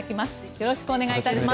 よろしくお願いします。